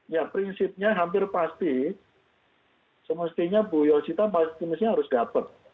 ya prinsipnya hampir pasti semestinya bu yosita mestinya harus dapat